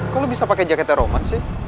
kok lu bisa pake jaketnya roman sih